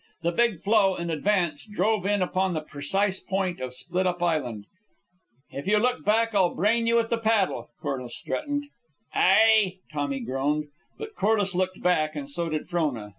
The big floe, in advance, drove in upon the precise point of Split up Island. "If you look back, I'll brain you with the paddle," Corliss threatened. "Ay," Tommy groaned. But Corliss looked back, and so did Frona.